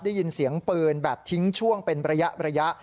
ได้ยินเสียงปืนแบบทิ้งช่วงเป็นระยะ